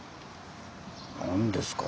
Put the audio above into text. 何ですか？